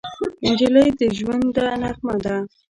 نجلۍ د ژونده نغمه ده.